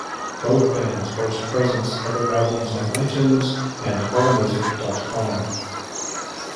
Both bands boast presence of their albums on iTunes and Allmusic dot com.